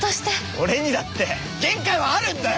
俺にだって限界はあるんだよ！